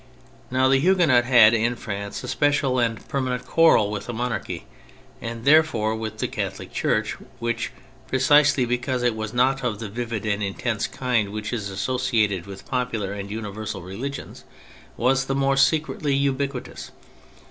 Now the Huguenot had in France a special and permanent quarrel with the monarchy, and therefore with the Catholic Church, which, precisely because it was not of the vivid and intense kind which is associated with popular and universal religions, was the more secretly ubiquitous.